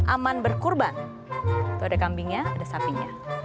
aman berkorbanczo ada kambingnya dan sapinya